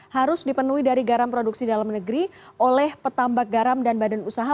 harus dipenuhi dari garam produksi dalam negeri oleh petambak garam dan badan usaha